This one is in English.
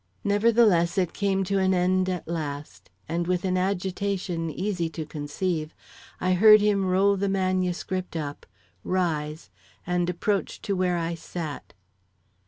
Nevertheless, it came to an end at last, and, with an agitation easy to conceive, I heard him roll the manuscript up, rise, and approach to where I sat.